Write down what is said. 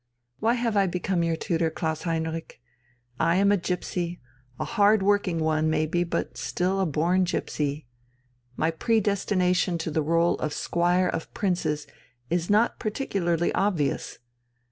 Why have I become your tutor, Klaus Heinrich? I am a gipsy, a hard working one, maybe, but still a born gipsy. My predestination to the rôle of squire of princes is not particularly obvious.